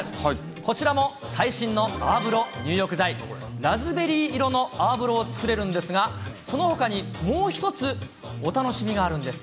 こちらも最新の泡風呂入浴剤、ラズベリー色の泡風呂を作れるんですが、そのほかにもう一つ、お楽しみがあるんです。